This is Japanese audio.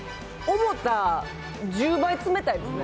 思った１０倍冷たいですね。